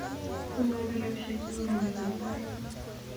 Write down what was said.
Bunuu ano robishe che bo mwaitab tait.